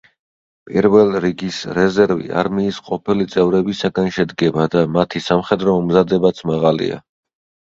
პირველ რიგის რეზერვი არმიის ყოფილი წევრებისაგან შედგება და მათი სამხედრო მომზადებაც მაღალია.